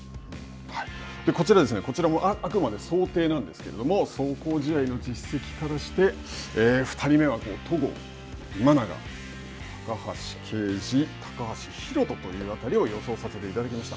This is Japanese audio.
こちらも想定なんですけれども、壮行試合の実績からして、２人目は戸郷、今永、高橋奎二、高橋宏斗というあたりを予想させていただきました。